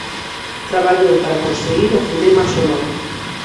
Traballou para conseguir o cinema sonoro.